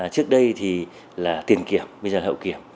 trước đây thì là tiền kiểm bây giờ hậu kiểm